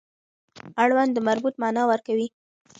اړوند د مربوط معنا ورکوي.